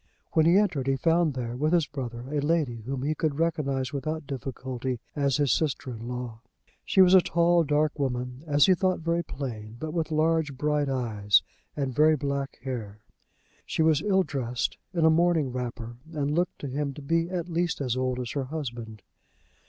When he entered he found there, with his brother, a lady whom he could recognise without difficulty as his sister in law. She was a tall, dark woman, as he thought very plain, but with large bright eyes and very black hair. She was ill dressed, in a morning wrapper, and looked to him to be at least as old as her husband.